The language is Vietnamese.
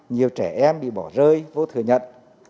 nhiều trẻ em bị bỏ rơi vô thừa nhận